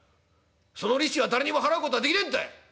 その利子は誰にも払うことはできねえんだ！」。